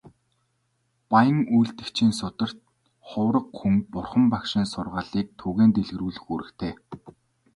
Буян үйлдэгчийн сударт "Хувраг хүн Бурхан багшийн сургаалыг түгээн дэлгэрүүлэх үүрэгтэй" хэмээн номлосон байдаг.